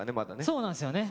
そうなんですよね